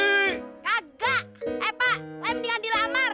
kagak eh pak saya mendingan dilamar